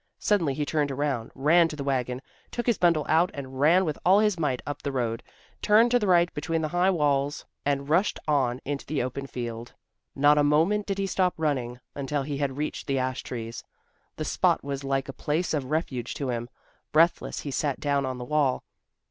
Suddenly he turned around, ran to the wagon, took his bundle out, and ran with all his might up the road, turned to the right between the high walls and rushed on into the open field. Not a moment did he stop running, until he had reached the ash trees. The spot was like a place of refuge to him. Breathless, he sat down on the wall.